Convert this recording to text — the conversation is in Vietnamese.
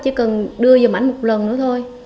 chỉ cần đưa giùm ảnh một lần nữa thôi